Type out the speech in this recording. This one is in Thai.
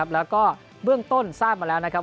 แล้วก็เบื้องต้นทราบมาแล้วนะครับ